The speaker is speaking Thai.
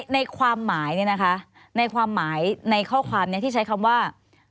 ในความหมายเนี่ยนะคะในความหมายในข้อความนี้ที่ใช้คำว่า